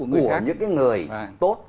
của những người tốt